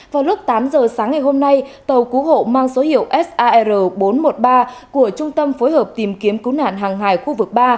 vào lúc tám giờ sáng ngày hôm nay tàu cứu hộ mang số hiệu sar bốn trăm một mươi ba của trung tâm phối hợp tìm kiếm cứu nạn hàng hải khu vực ba